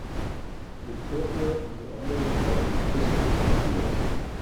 Viktoria und die anderen haben sich köstlich amüsiert.